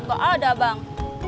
gak ada bang